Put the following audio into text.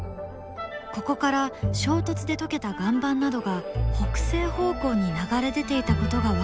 ここから衝突で溶けた岩盤などが北西方向に流れ出ていたことが分かったのだ。